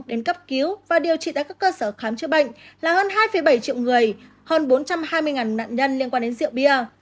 đến cấp cứu và điều trị tại các cơ sở khám chữa bệnh là hơn hai bảy triệu người hơn bốn trăm hai mươi nạn nhân liên quan đến rượu bia